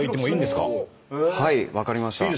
はい分かりました。